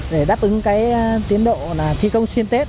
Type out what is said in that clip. để đáp ứng tiến độ thi công xuyên tết